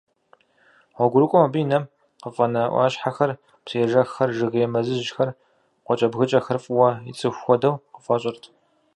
Гъуэгурыкӏуэм абы и нэм къыфӏэнэ ӏуащхьэхэр, псыежэххэр, жыгей мэзыжьхэр, къуакӏэбгыкӏэхэр фӏыуэ ицӏыху хуэдэу къыфӏэщӏырт.